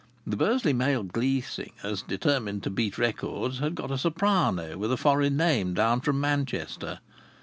The Bursley Male Glee Singers, determined to beat records, had got a soprano with a foreign name down from Manchester.